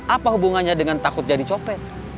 apa hubungannya dengan takut jadi copet